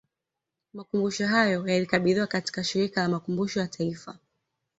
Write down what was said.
Makumbusho hayo yalikabidhiwa katika Shirika la Makumbusho ya Taifa